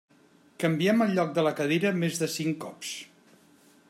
Canviem el lloc de la cadira més de cinc cops.